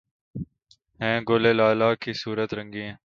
ہیں گل لالہ کی صورت رنگیں